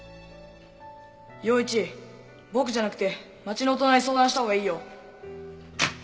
陽一僕じゃなくて町の大人に相談したほうがいいよ。